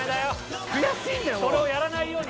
それをやらないように。